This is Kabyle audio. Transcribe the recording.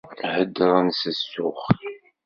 Heddren s zzux.